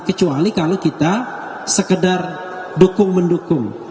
kecuali kalau kita sekedar dukung mendukung